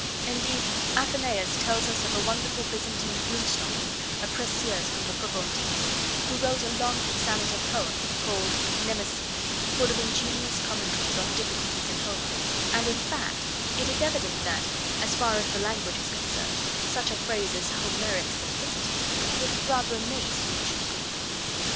Indeed, Athenaeus tells us of a wonderful Byzantine blue stocking, a precieuse from the Propontis, who wrote a long hexameter poem, called Mnemosyne, full of ingenious commentaries on difficulties in Homer, and in fact, it is evident that, as far as the language is concerned, such a phrase as 'Homeric simplicity' would have rather amazed an ancient Greek.